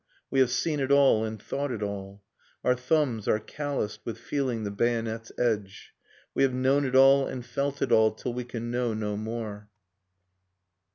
We have seen it all and thought it all. Our thumbs are calloused with feeling the bayonet's edge. We have known it all and felt it all Till we can know no more.